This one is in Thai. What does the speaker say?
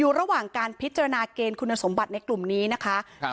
ระหว่างการพิจารณาเกณฑ์คุณสมบัติในกลุ่มนี้นะคะครับ